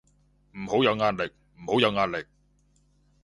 唔好有壓力，唔好有壓力